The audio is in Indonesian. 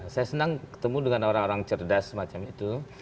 saya senang ketemu dengan orang orang cerdas semacam itu